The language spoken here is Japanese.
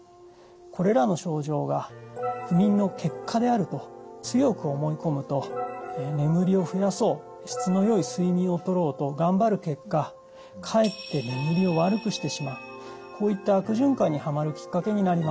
これらの症状が不眠の結果であると強く思い込むと眠りを増やそう質の良い睡眠をとろうと頑張る結果かえって眠りを悪くしてしまうこういった悪循環にはまるきっかけになります。